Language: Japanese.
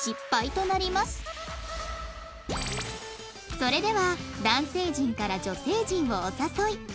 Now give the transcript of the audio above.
それでは男性陣から女性陣をお誘い